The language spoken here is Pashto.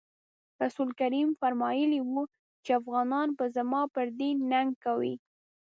رسول کریم فرمایلي وو چې افغانان به زما پر دین ننګ کوي.